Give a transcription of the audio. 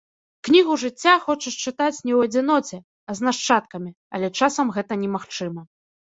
Кнігу жыцця хочацца чытаць не ў адзіноце, а з нашчадкамі, але часам гэта немагчыма.